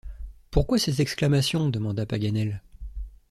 Pourquoi cette exclamation? demanda Paganel.